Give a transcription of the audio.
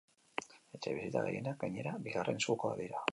Etxebizitza gehienak, gainera, bigarren eskukoak dira.